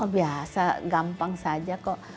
biasa gampang saja kok